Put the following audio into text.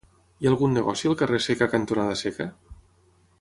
Hi ha algun negoci al carrer Seca cantonada Seca?